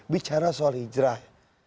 bicara soal hijrah